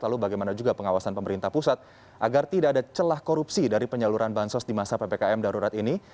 lalu bagaimana juga pengawasan pemerintah pusat agar tidak ada celah korupsi dari penyaluran bansos di masa ppkm darurat ini